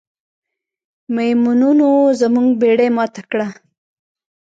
میمونونو زموږ بیړۍ ماته کړه.